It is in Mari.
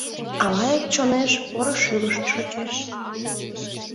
А лайык чонеш Поро шӱлыш шочеш.